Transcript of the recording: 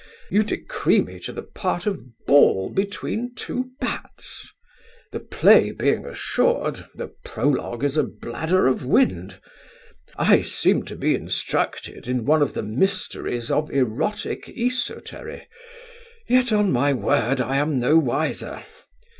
You decree me to the part of ball between two bats. The Play being assured, the prologue is a bladder of wind. I seem to be instructed in one of the mysteries of erotic esotery, yet on my word I am no wiser.